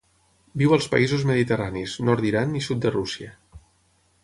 Viu als països mediterranis, nord d'Iran i sud de Rússia.